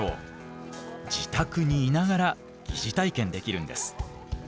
自宅にいながら疑似体験できるんです。